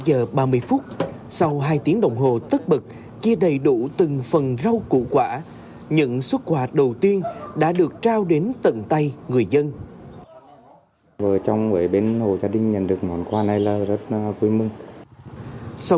bảy giờ ba mươi phút sau hai tiếng đồng hồ tức bực chia đầy đủ từng phần rau củ quả